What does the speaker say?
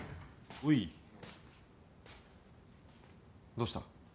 どうした？